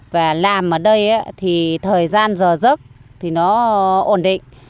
và làm ở đây thì thời gian giờ giấc thì nó ổn định